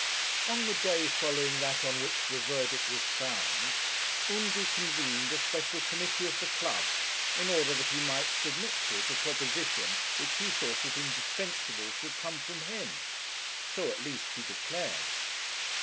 On the day following that on which the verdict was found, Undy convened a special committee of the club, in order that he might submit to it a proposition which he thought it indispensable should come from him; so, at least, he declared.